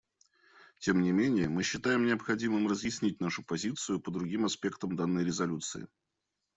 Тем не менее, мы считаем необходимым разъяснить нашу позицию по другим аспектам данной резолюции.